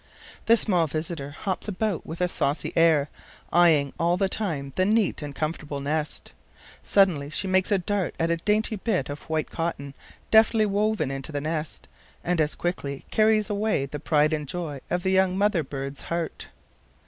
The small visitor hops about a bit with a saucy air, eyeing all the time the neat and comfortable nest. Suddenly she makes a dart at a dainty bit of white cotton deftly woven into the nest, and as quickly carries away the pride and joy of the young mother bird's heart.